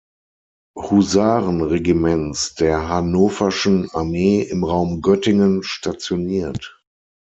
Husaren Regiments der hannoverschen Armee im Raum Göttingen stationiert.